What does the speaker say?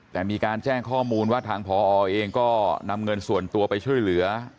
แต่มีการแจ้งข้อมูลว่าทางพอเองก็นำเงินส่วนตัวไปช่วยเหลือ